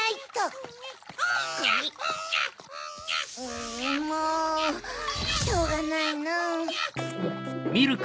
んもうしょうがないなぁ。